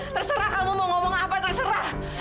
terserah kamu mau ngomong apa terserah